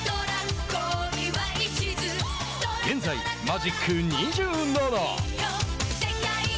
現在マジック２７。